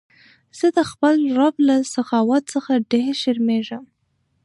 زه د خپل رب له سخاوت څخه ډېر شرمېږم.